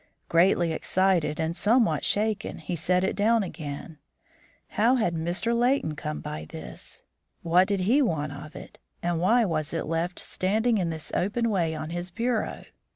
Greatly excited and somewhat shaken, he set it down again. How had Mr. Leighton come by this? What did he want of it, and why was it left standing in this open way on his bureau?